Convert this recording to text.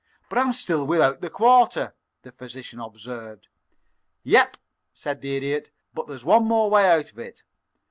"But I am still without the quarter," the physician observed. "Yep," said the Idiot. "But there's one more way out of it.